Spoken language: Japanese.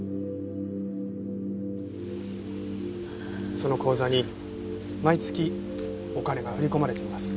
その口座に毎月お金が振り込まれています。